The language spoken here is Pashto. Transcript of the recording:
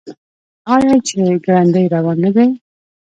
آیا چې ګړندی روان نه دی؟